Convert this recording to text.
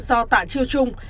do tạ triều trung